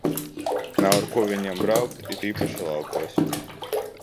Nav ar ko viņiem braukt, it īpaši laukos.